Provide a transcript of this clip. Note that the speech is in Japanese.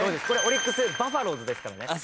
これオリックス・バファローズですからね。